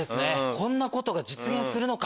こんなことが実現するのか！